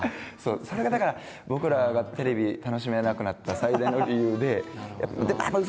それがだから僕らがテレビ楽しめなくなった最大の理由で。